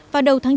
và đầu tháng chín